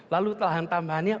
lalu lahan tambahannya